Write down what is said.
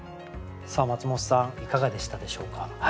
マツモトさんいかがでしたでしょうか？